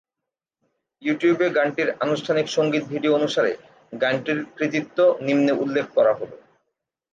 ইউটিউবে গানটির আনুষ্ঠানিক সঙ্গীত ভিডিও অনুসারে, গানটির কৃতিত্ব নিম্নে উল্লেখ করা হলো